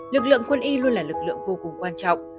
lực lượng quân y luôn là lực lượng vô cùng quan trọng